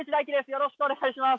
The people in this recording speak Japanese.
よろしくお願いします